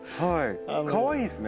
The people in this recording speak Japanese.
かわいいですね。